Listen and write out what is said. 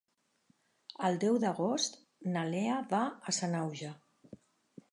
El deu d'agost na Lea va a Sanaüja.